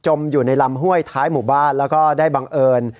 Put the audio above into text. อยู่ในลำห้วยท้ายหมู่บ้านแล้วก็ได้บังเอิญ